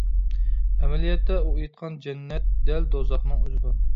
ئەمەلىيەتتە ئۇ ئېيتقان جەننەت دەل دوزاخنىڭ ئۆزىدۇر.